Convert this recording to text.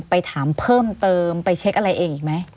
ไปถามเพิ่มเติมไปเช็คอะไรเองอีกไหม